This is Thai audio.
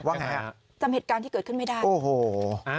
ว่าไงฮะจำเหตุการณ์ที่เกิดขึ้นไม่ได้โอ้โห